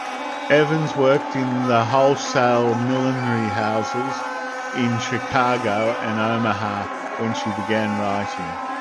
Evans worked in "wholesale millinery houses" in Chicago and Omaha when she began writing.